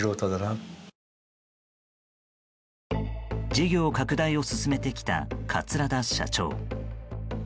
事業拡大を進めてきた桂田社長。